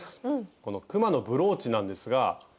この「くまのブローチ」なんですが。